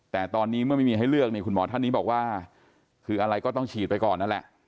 แต่ตอนนี้เมื่อไม่มีให้เลือกเนี่ยคุณหมอท่านนี้บอกว่าคืออะไรก็ต้องฉีดไปก่อนนั่นแหละ